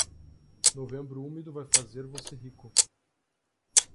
Novembro úmido vai fazer você rico.